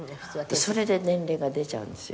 「それで年齢が出ちゃうんですよ」